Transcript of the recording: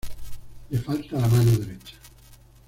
Le falta la mano derecha.